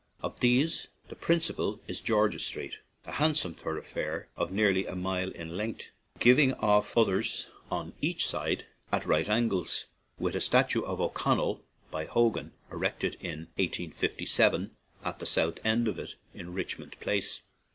Of these the principal is George's Street, a handsome thorough fare of nearly a mile in length, giving off others on each side at right angles, with a statue of O'Connell, by Hogan, erected in 1857, at the south end of it in Rich mond Place.